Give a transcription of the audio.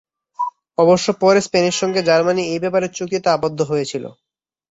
অবশ্য পরে স্পেনের সঙ্গে জার্মানি এই ব্যাপারে চুক্তিতে আবদ্ধ হয়ে ছিল।